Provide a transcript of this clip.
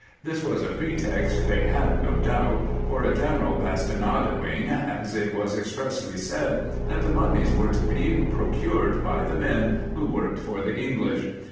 This was a pretext they had no doubt for a general bastinadoing, as it was expressly said, that the mummies were to be procured by the men who worked for the English.